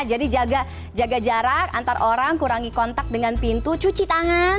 jadi jaga jarak antar orang kurangi kontak dengan pintu cuci tangan